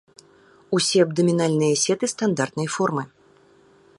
Усе абдамінальныя сеты стандартнай формы.